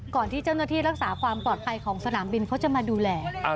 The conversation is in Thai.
ก่อนที่เจ้าหน้าที่รักษาความปลอดภัยของสนามบินเขาจะมาดูแล